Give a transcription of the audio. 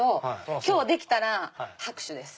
今日できたら拍手です。